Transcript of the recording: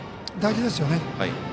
大事ですよね。